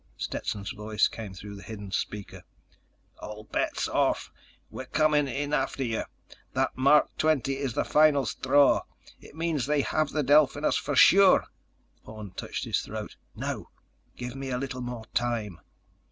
Stetson's voice came through the hidden speaker: "All bets off. We're coming in after you. That Mark XX is the final straw. It means they have the Delphinus for sure!" Orne touched his throat. _"No! Give me a little more time!"